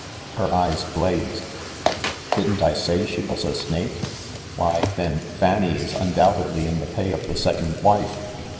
Her eyes blazed. "Didn't I say she was a snake? Why, then, Fanny is undoubtedly in the pay of the second wife